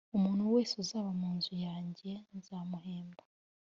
umuntu wese uzaba mu nzu yanjye nzamuhemba